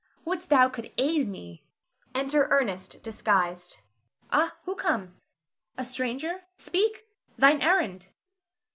Wouldst thou could aid me! [Enter Ernest disguised.] Ah, who comes? A stranger. Speak! thine errand!